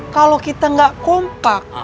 kalau kita ga kompak